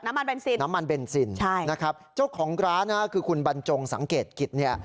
มันเบนซินน้ำมันเบนซินใช่นะครับเจ้าของร้านฮะคือคุณบรรจงสังเกตกิจเนี่ย